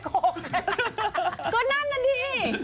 ก็นั่นนานี่